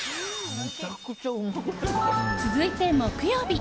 続いて、木曜日。